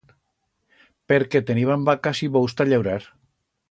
Perque teniban vacas y bous ta llaurar